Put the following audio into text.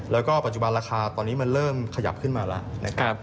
แล้วก็ปัจจุบันราคาตอนนี้มันเริ่มขยับขึ้นมาแล้วนะครับ